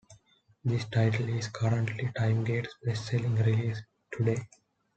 This title is currently TimeGate's best-selling release to date.